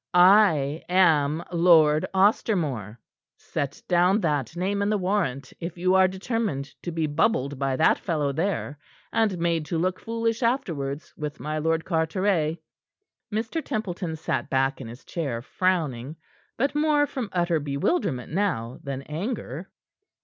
I am Lord Ostermore. Set down that name in the warrant if you are determined to be bubbled by that fellow there and made to look foolish afterwards with my Lord Carteret." Mr. Templeton sat back in his chair, frowning; but more from utter bewilderment now than anger.